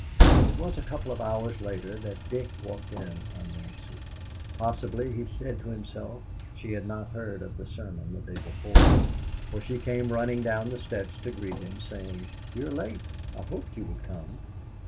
It was a couple of hours later that Dick walked in on Nancy. Possibly, he said to himself, she had not heard of the sermon of the day before, for she came running down the steps to greet him, saying, "You are late. I hoped you would come."